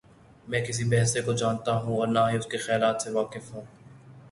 میں کسی بھینسے کو جانتا ہوں اور نہ ہی اس کے خیالات سے واقف ہوں۔